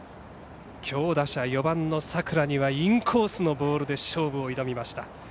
強打者４番の佐倉にはインコースのボールで勝負を挑みました。